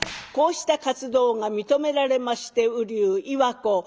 こうした活動が認められまして瓜生岩子